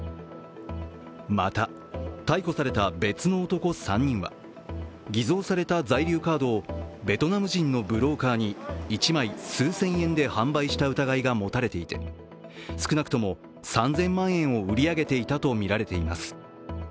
また、逮捕された別の男３人は偽造された在留カードをベトナム人のブローカーに１枚数千円で販売した疑いが持たれていて少なくとも３０００万円を売り上げていたとみられています。